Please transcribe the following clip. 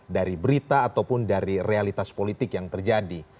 dari berita ataupun dari realitas politik yang terjadi